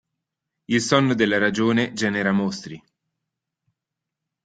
Il sonno della ragione genera mostri.